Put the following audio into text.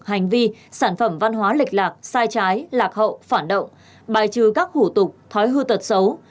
hành vi sản phẩm văn hóa lịch lạc sai trái lạc hậu phản động bài trừ các hủ tục thói hư tật xấu